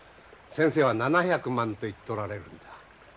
先生は「７００万」と言っておられるんだ。